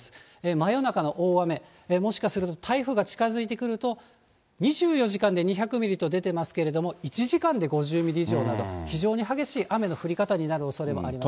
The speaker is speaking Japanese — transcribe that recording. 真夜中の大雨、もしかすると台風が近づいてくると、２４時間で２００ミリと出てますけれども、１時間で５０ミリ以上など、非常に激しい雨の降り方になるおそれもあります。